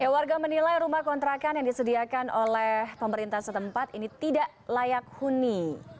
warga menilai rumah kontrakan yang disediakan oleh pemerintah setempat ini tidak layak huni